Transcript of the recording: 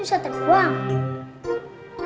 anak ini akan menyembuhkan penyakit kamu